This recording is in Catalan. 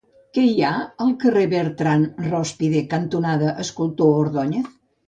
Què hi ha al carrer Beltrán i Rózpide cantonada Escultor Ordóñez?